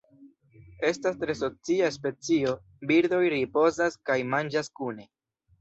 Estas tre socia specio, birdoj ripozas kaj manĝas kune.